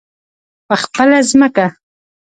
په خپله ځمکه.